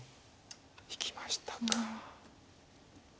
引きましたか。